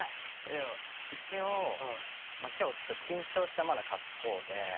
でも一応きょうちょっと緊張したまだ格好で。